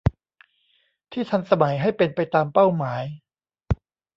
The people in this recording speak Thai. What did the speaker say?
ที่ทันสมัยให้เป็นไปตามเป้าหมาย